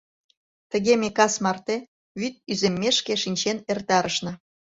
Тыге ме кас марте, вӱд иземмешке, шинчен эртарышна.